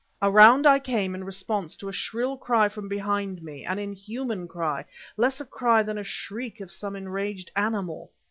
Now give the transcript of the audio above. Around I came, in response to a shrill cry from behind me an inhuman cry, less a cry than the shriek of some enraged animal....